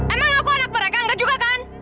emang aku anak mereka enggak juga kan